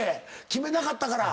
決めなかったから。